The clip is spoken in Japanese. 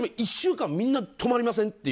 週間みんな止まりません？